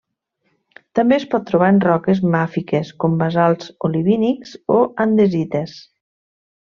També es pot trobar en roques màfiques com basalts olivínics o andesites.